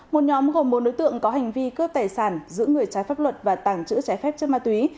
một nhóm gồm bốn đối tượng có hành vi cướp tài sản giữ người trái pháp luật và tàng trữ trái phép chất ma túy